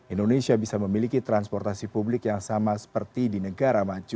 indonesia bisa memiliki transportasi publik yang sama seperti di negara maju